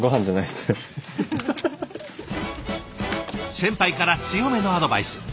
先輩から強めのアドバイス。